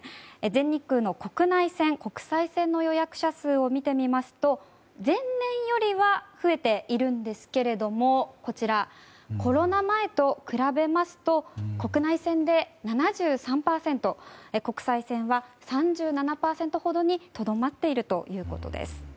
全日空の国内線、国際線の予約者数を見てみますと前年よりは増えているんですけれどもコロナ前と比べますと国内線で７３％国際線は３７％ほどにとどまっているということです。